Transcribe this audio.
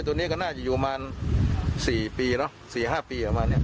ตัวนี้ก็น่าจะอยู่มา๔๕ปี